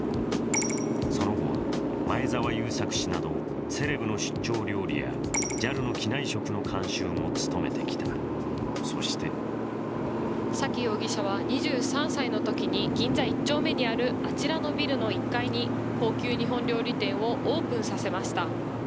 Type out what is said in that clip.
その後は前澤友作氏などセレブの出張料理やＪＡＬの機内食の監修も務めてきた、そして崎容疑者は２３歳のときに銀座１丁目にあるあちらのビルの１階に高級日本料理店をオープンさせました。